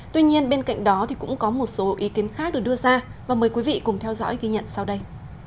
tuy nhiên bên cạnh đó thì cũng có một số ý kiến khác được đưa ra và mời quý vị cùng theo dõi ghi nhận sau đây